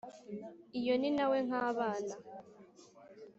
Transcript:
iyo ni “ na we” nk’abana